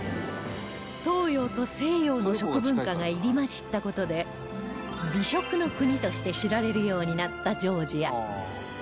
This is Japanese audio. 東洋と西洋の食文化が入り交じった事で美食の国として知られるようになったジョージア